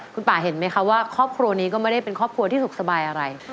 คุณป่าเห็นไหมคะว่าครอบครัวนี้ก็ไม่ได้เป็นครอบครัวที่สุขสบายอะไร